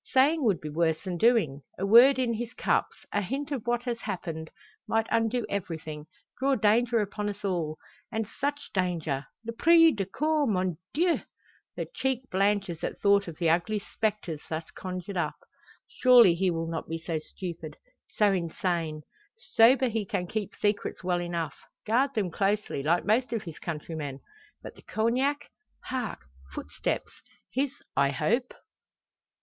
Saying would be worse than doing. A word in his cups a hint of what has happened might undo everything: draw danger upon us all! And such danger l'prise de corps, mon dieu!" Her cheek blanches at thought of the ugly spectres thus conjured up. "Surely he will not be so stupid so insane? Sober he can keep secrets well enough guard them closely, like most of his countrymen. But the Cognac? Hark Footsteps! His I hope."